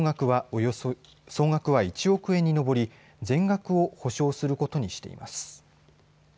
総額は１億円に上り全額を補償することにしています。